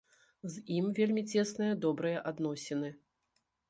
З ім вельмі цесныя добрыя адносіны.